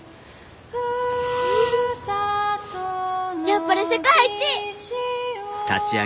やっぱり世界一！